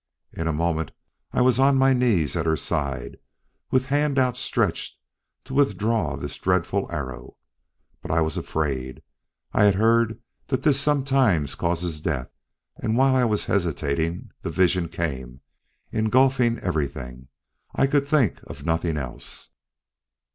In a moment I was on my knees at her side with hand outstretched to withdraw this dreadful arrow. But I was afraid I had heard that this sometimes causes death, and while I was hesitating, that vision came, engulfing everything. I could think of nothing else."